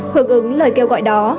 hợp ứng lời kêu gọi đó